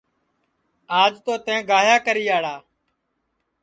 آج تو تیں گاھیا کریاڑا